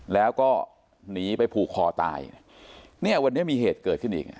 แล้วก็หนีไปผูกคอตายเนี่ยวันนี้มีเหตุเกิดขึ้นอีกอ่ะ